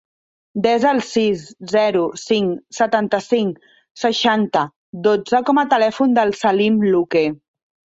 Desa el sis, zero, cinc, setanta-cinc, seixanta, dotze com a telèfon del Salim Luque.